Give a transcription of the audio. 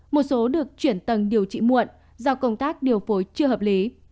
một số được chuyển tầng điều trị muộn do công tác điều phối chưa hợp lý